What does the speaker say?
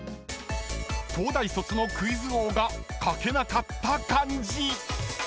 ［東大卒のクイズ王が書けなかった漢字］